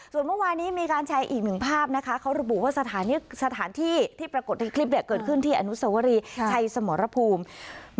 ส่วนเมื่อวานี้มีการแชร์อีกหนึ่งภาพนะคะเขาระบุว่าสถานที่ที่ปรากฏในคลิปเกิดขึ้นที่อนุสวรีชัยสมรภูมิ